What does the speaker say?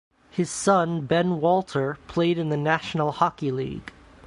His son, Ben Walter, played in the National Hockey League.